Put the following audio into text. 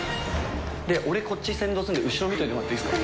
俺、こっち先導するので後ろ見てもらっていいですか。